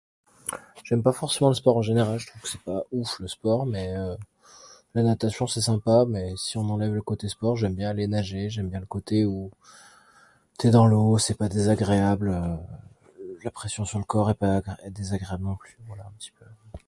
J'aime pas forcément le sport en général, je trouve que c'est pas ouf le sport mais euh la natation c'est sympa mais si on enlève le côté sport, j'aime bien aller nager, j'aime bien le côté où t'es dans l'eau, c'est pas désagréable, l'impression de son corps n'est pas désagréable non plus.